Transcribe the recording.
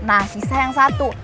nah sisa yang satu